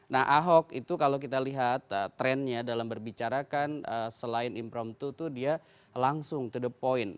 nah ahok itu kalau kita lihat trendnya dalam berbicarakan selain impromptu itu dia langsung to the point